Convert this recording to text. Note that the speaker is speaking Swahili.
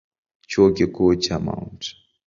Chuo Kikuu cha Mt.